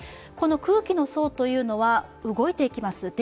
この空気の層というのは動いていきます。